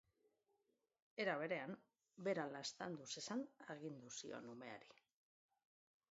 Era berean, bera laztandu zezan agindu zion umeari.